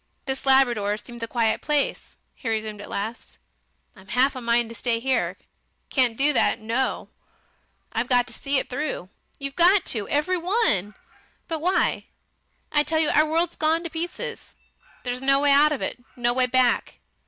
"This Labrador seems a quiet place," he resumed at last. "I'm half a mind to stay here. Can't do that. No! I've got to see it through. I've got to see it through. You've got to, too. Every one.... But why?... I tell you our world's gone to pieces. There's no way out of it, no way back.